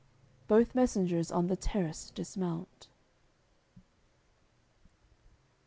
Both messengers on the terrace dismount.